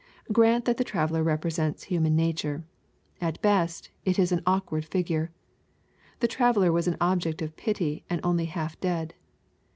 Grant that the traveller represents human nature. At best, it is an awk ward figure. The traveller was an object of pity, and only half dead.